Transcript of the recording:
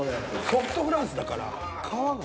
ソフトフランスだから皮が。